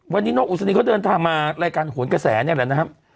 วันนี้นกอุศนีเขาเดินทางมารายการโหนกระแสนี่แหละนะครับ